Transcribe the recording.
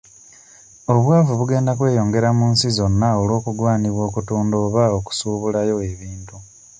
Obwavu bugenda kweyongera mu nsi zonna olw'okugaanibwa okutunda oba okusuubulayo ebintu.